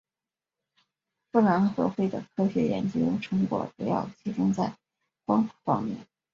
夫琅和费的科学研究成果主要集中在光谱方面。